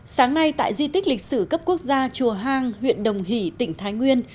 sáng nay tại di tích lịch sử cấp quốc gia chùa hang huyện đồng hỷ tỉnh thái nguyên